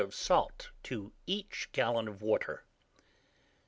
of salt to each gallon of water.